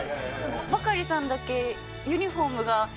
バカリさんだけユニホームが。